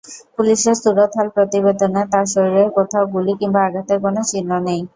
পুলিশের সুরতহাল প্রতিবেদনে তাঁর শরীরের কোথাও গুলি কিংবা আঘাতের কোনো চিহ্ন নেই।